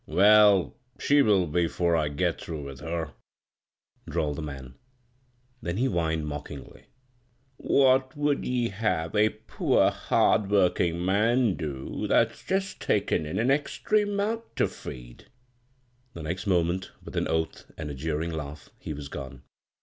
" Well she will be ' fore I get liirough with her," drawled the man. Then he whined mockingly :" What would ye have a poor hard workin' man do, that's jest taken in a extry mouth ter feed?" The next moment with an oath and a jeering laugh he was gone.